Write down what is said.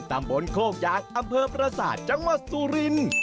ตำบลโคกยางอำเภอประสาทจังหวัดสุรินทร์